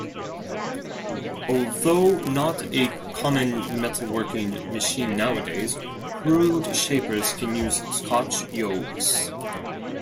Although not a common metalworking machine nowadays, crude shapers can use Scotch yokes.